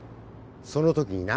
その時にな